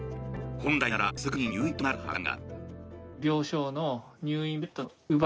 本来ならすぐに入院となるはずだが。